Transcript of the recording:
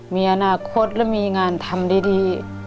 มีอนาคตและมีงานทำดี